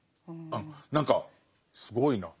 何かすごいな。